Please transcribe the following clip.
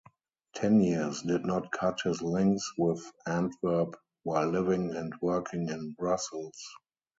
Teniers did not cut his links with Antwerp while living and working in Brussels.